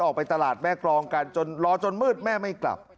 ออกไปตลาดแม่กรองกันจนรอจนมืดแม่ไม่กลับ